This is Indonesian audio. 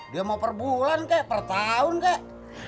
dia mau perbulan kek per tahun kek